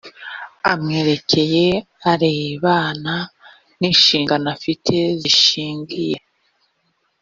amwerekeye arebana n inshingano afite zishingiye